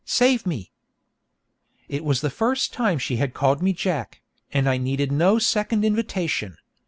save me!' It was the first time she had called me 'Jack,' and I needed no second invitation.